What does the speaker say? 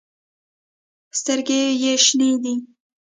سترګې ېې شنې دي